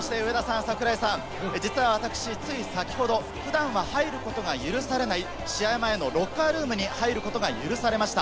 私、つい先ほど、普段は入ることが許されない試合前のロッカールームに入ることが許されました。